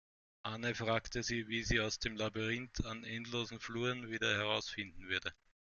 Anne fragte sich, wie sie aus dem Labyrinth an endlosen Fluren wieder herausfinden würde.